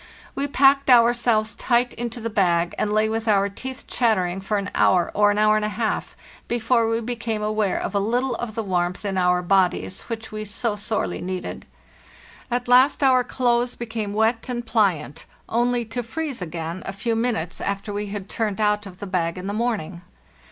We packed ourselves tight into the bag, and lay with our teeth chattering for. an hour, or an hour and a half, before we became aware of a little of the warmth in our bodies which we so sorely needed. At last our clothes became wet and pliant, only to freeze again a few minutes after we had turned out of the bag in the morning.